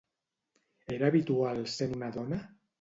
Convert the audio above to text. Era habitual sent una dona?